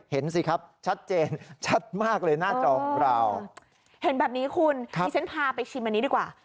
เห็นแบบนี้คุณที่ฉันพาไปชิมอันนี้ดีกว่า